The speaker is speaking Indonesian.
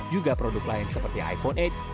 juga produk lain seperti iphone delapan